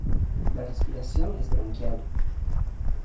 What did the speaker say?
La respiración es branquial.